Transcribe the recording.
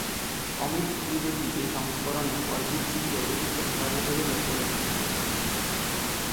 অমিত ত্রিবেদী এই সংস্করণে অরিজিৎ সিংকে অতিরিক্ত ভোকাল হিসেবে যোগ করেছেন।